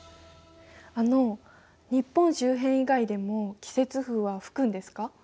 あの日本周辺以外でも季節風は吹くんですか？